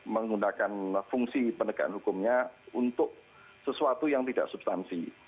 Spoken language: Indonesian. menggunakan fungsi penegakan hukumnya untuk sesuatu yang tidak substansi